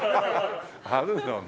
あるよね。